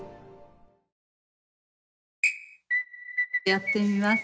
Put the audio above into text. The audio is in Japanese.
やってみます